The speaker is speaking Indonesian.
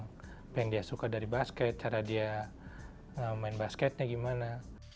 apa yang dia suka dari basket cara dia main basketnya gimana